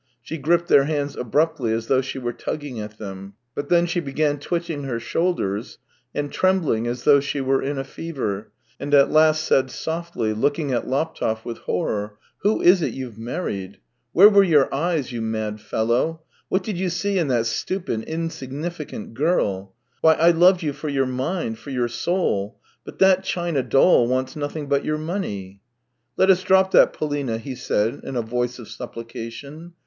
She gripped their hands abruptly, as though she were tugging at them. But then she began twitching her shoulders, and trembling as though she were in a fever, and at last said softly, looking at Laptev with horror: " Who is it you've married ? Where were your eyes, you mad fellow ? What did you see THREE YEARS 233 in that stupid, insignificant girl ? Why, I loved you for your mind, for your soul, but that china doll wants nothing but your money !"" Let us drop that, Polina," he said in a voice of supplication.